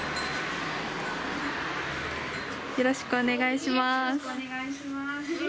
よろしくお願いします。